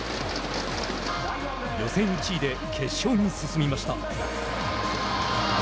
予選１位で決勝に進みました。